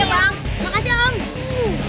makasih ya om